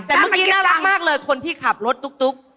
แต่เมื่อกี้น่ารักมากเลยคนที่ขับรถตุ๊ก